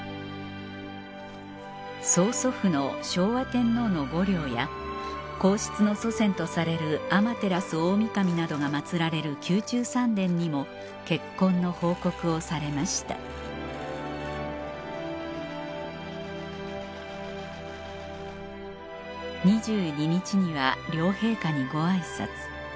曾祖父の昭和天皇の御陵や皇室の祖先とされる天照大御神などがまつられる宮中三殿にも結婚の報告をされました２２日には両陛下にごあいさつ